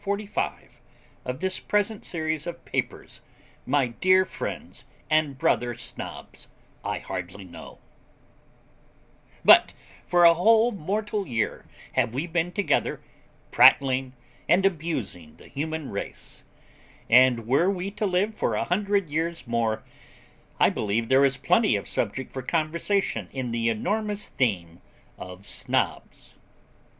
45 of this present series of papers, my dear friends and brother Snobs, I hardly know but for a whole mortal year have we been together, prattling, and abusing the human race; and were we to live for a hundred years more, I believe there is plenty of subject for conversation in the enormous theme of Snobs.